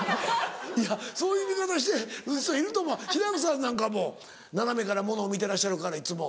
いやそういう見方してる人いると思う志らくさんなんかも斜めからものを見てらっしゃるからいつも。